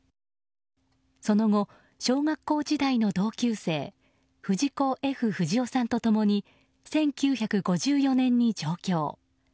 その後、小学校時代の同級生藤子・Ｆ・不二雄さんと共に１９５４年に上京。